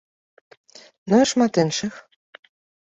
Ну і шмат іншых.